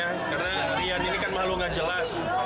karena rian ini kan mahluk tidak jelas